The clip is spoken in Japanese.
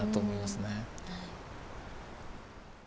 はい。